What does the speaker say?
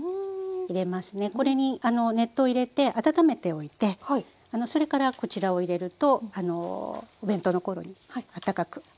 これに熱湯を入れて温めておいてそれからこちらを入れるとお弁当の頃に温かく飲める。